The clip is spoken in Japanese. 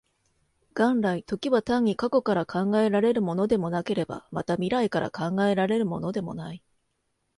元来、時は単に過去から考えられるものでもなければ、また未来から考えられるものでもない。